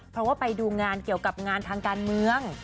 เพราะว่าไปดูงานเกี่ยวกับงานทางการเมือง